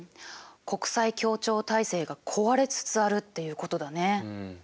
国際協調体制が壊れつつあるっていうことだね。